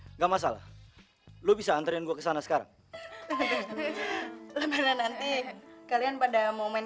enggak masalah lu bisa antarin gua ke sana sekarang karena nanti kalian pada mau main